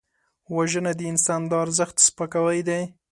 وژنه د انسان د ارزښت سپکاوی دی